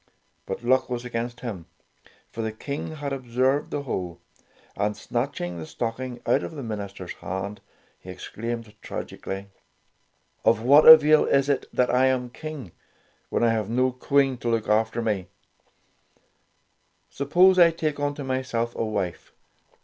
But luck was against him, for the King had observed the hole, and snatching the stocking out of the minister's hand, he exclaimed tragically: '"Of what avail is it that I am King, when I have no Queen to look after me! 25 26 Tales of Modern Germany Suppose I take unto myself a wife